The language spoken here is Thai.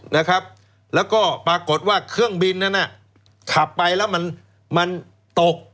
นะครับแล้วก็ปรากฏว่าเครื่องบินนั้นน่ะขับไปแล้วมันมันตก